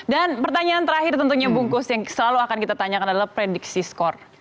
dan pertanyaan terakhir tentunya bungkus yang selalu akan kita tanyakan adalah prediksi skor